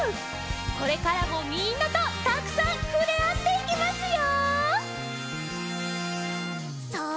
これからもみんなとたくさんふれあっていきますよ。